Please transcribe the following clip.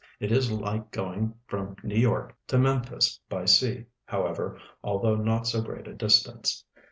It is like going from New York to .Memphis by sea, how("V( r, although not s<t great a dis tance.